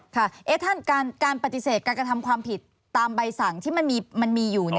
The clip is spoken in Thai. ท่านการปฏิเสธการกระทำความผิดตามใบสั่งที่มันมีอยู่